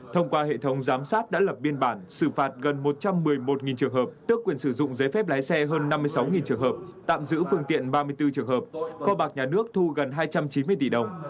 thông qua hệ thống giám sát đã lập biên bản xử phạt gần một trăm một mươi một trường hợp tước quyền sử dụng giấy phép lái xe hơn năm mươi sáu trường hợp tạm giữ phương tiện ba mươi bốn trường hợp kho bạc nhà nước thu gần hai trăm chín mươi tỷ đồng